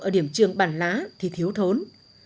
ở điểm trường bản lá thì thiếu thốn